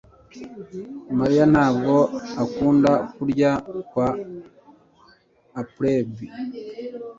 Mariya ntabwo akunda kurya kwa Applebee